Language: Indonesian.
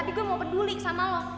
tapi gue mau peduli sama lo